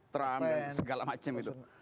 trump dan segala macam itu